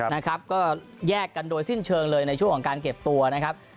นะครับก็แยกกันโดยสิ้นเชิงเลยในช่วงของการเก็บตัวนะครับ